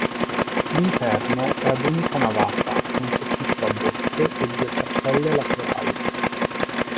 L'interno è ad unica navata, con soffitto a botte e due cappelle laterali.